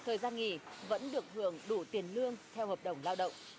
thời gian nghỉ vẫn được hưởng đủ tiền lương theo hợp đồng lao động